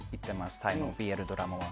タイのＢＬドラマは。